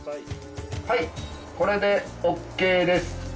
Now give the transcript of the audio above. はいこれでＯＫです。